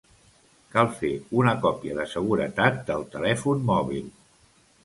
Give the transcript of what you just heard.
Cal fer una còpia de seguretat del telèfon mòbil